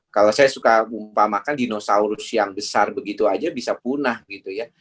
kalau saya suka mumpamakan dinosaurus yang besar begitu aja bisa punah gitu ya